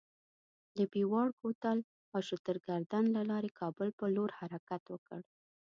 د پیواړ کوتل او شترګردن له لارې کابل پر لور حرکت وکړ.